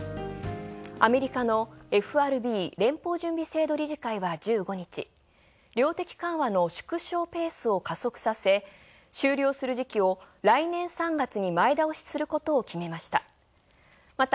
アメリカのＦＲＢ＝連邦準備制度理事会は１５日、量的緩和の縮小ペースを加速させ、終了する時期を来年３月に前倒しすることを決めました。